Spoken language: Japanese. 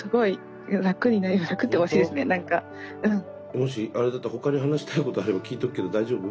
もしあれだったら他に話したいことあれば聞いとくけど大丈夫？